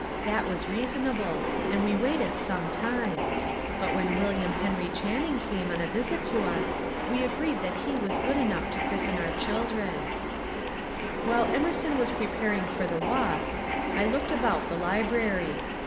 That was reasonable, and we waited some time ; but when William Henry Cbanning came on a visit to us, we agreed that he was good enough to chris ten our children." WALDEN POND 137 While Emerson was preparing for the walk, I looked about the library.